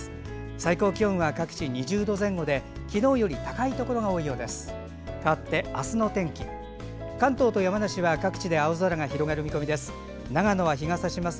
最高気温は各地２０度前後で昨日より高いところが多いようです。